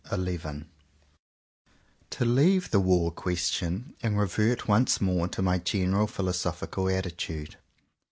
144 XI To LEAVE 'the war question, and revert once more to my general philosophical attitude.